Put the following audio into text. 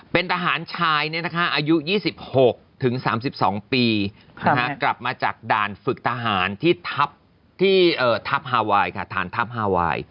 เป็นทหารชายอายุ๒๖ถึง๓๒ปีกลับมาจากด่านฝึกทหารที่ทัพฮาไหว